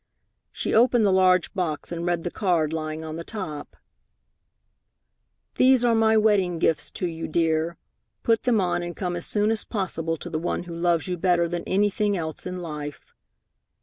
She opened the large box and read the card lying on the top: These are my wedding gifts to you, dear. Put them on and come as soon as possible to the one who loves you better than anything else in life.